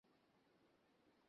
আমিই মানা করেছিলাম।